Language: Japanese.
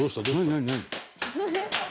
何？何？」